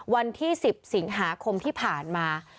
วันที่๑๐สิงหาคมที่ผ่านมา